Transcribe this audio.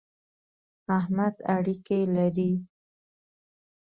احمد اړېکی لري.